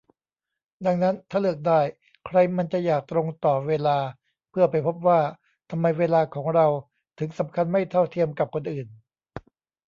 ดังนั้น ถ้าเลือกได้ ใครมันจะอยากตรงต่อเวลาเพื่อไปพบว่า ทำไมเวลาของเราถึงสำคัญไม่เท่าเทียมกับคนอื่น